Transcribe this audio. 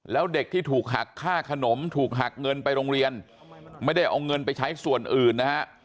แล้วเด็กที่ถูกหักค่าขนมถูกหักเงินไปโรงเรียนไม่ได้เอาเงินไปใช้ส่วนอื่นนะฮะ